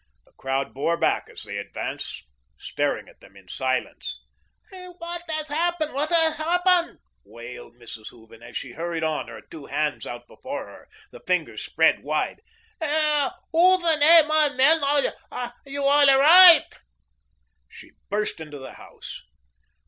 The crowd bore back as they advanced, staring at them in silence. "Eh, whadt has happun, whadt has happun?" wailed Mrs. Hooven, as she hurried on, her two hands out before her, the fingers spread wide. "Eh, Hooven, eh, my men, are you alle righdt?" She burst into the house.